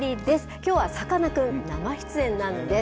きょうなさかなクン生出演なんです。